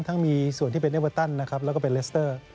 ทั้งมีส่วนที่เป็นเอเวอร์ตันนะครับแล้วก็เป็นเลสเตอร์